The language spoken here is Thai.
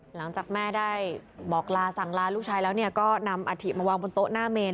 หลังจากแม่ได้บอกลาสั่งลาลูกชายแล้วก็นำอาถิมาวางบนโต๊ะหน้าเมน